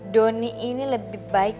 donny ini lebih baik